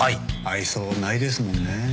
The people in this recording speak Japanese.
愛想ないですもんねぇ。